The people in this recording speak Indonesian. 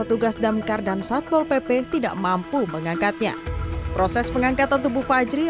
petugas damkar dan satpol pp tidak mampu mengangkatnya proses pengangkatan tubuh fajri